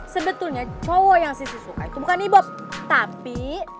sebetulnya cowok yang sisi suka itu bukan ibok tapi